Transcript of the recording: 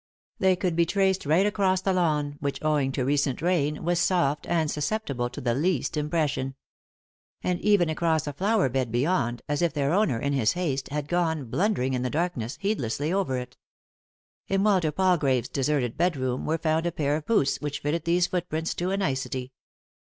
They could be traced right across the lawn, which, owing to recent rain, was soft and susceptible to the least impression ; and even across a flower bed beyond, as if their owner, in his haste, had gone, blundering in the darkness, heedlessly over it. In Walter Palgrave's deserted bedroom were found a pair of boots which fitted these footprints to a nicety.